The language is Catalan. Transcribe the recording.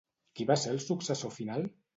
Qui va ser el successor final?